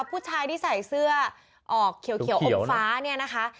ผู้ชายที่ใส่เสื้อออกเขียวอมฟ้า